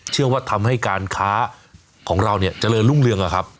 ทำให้การค้าของเราเนี่ยเจริญรุ่งเรืองอะครับ